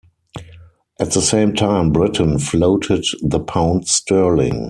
At the same time, Britain floated the pound sterling.